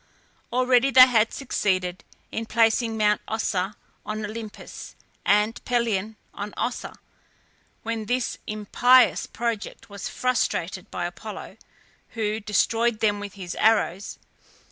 Already had they succeeded in placing Mount Ossa on Olympus and Pelion on Ossa, when this impious project was frustrated by Apollo, who destroyed them with his arrows.